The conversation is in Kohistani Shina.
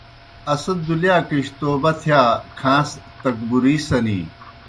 اسہ دُلِیاکِجیْ توبہ تِھیا کھاݩس تکبُری سنے